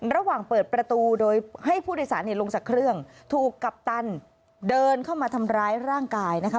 ระหว่างเปิดประตูโดยให้ผู้โดยสารลงจากเครื่องถูกกัปตันเดินเข้ามาทำร้ายร่างกายนะคะ